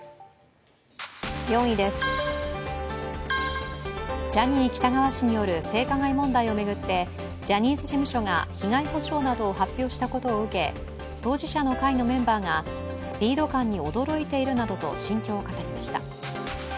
４位です、ジャニー喜多川氏による性加害問題を巡ってジャニーズ事務所が被害補償などを発表したことを受け当事者の会のメンバーがスピード感に驚いているなどと心境を語りました。